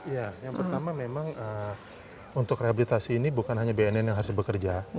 ya yang pertama memang untuk rehabilitasi ini bukan hanya bnn yang harus bekerja